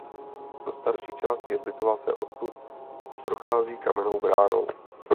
Do starší části hřbitova se odtud prochází kamennou bránou.